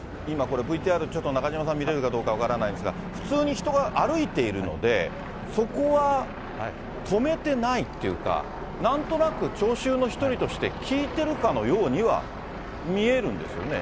今、これ、ＶＴＲ、中島さんが見れるかどうか分かりませんが、普通に人が歩いているので、そこは止めてないっていうか、なんとなく聴衆の一人として聞いてるかのようには見えるんですよね。